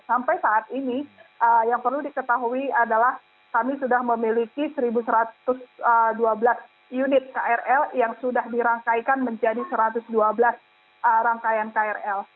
sampai saat ini yang perlu diketahui adalah kami sudah memiliki satu satu ratus dua belas unit krl yang sudah dirangkaikan menjadi satu ratus dua belas rangkaian krl